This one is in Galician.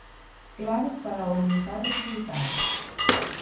Claves para aumentar resultados.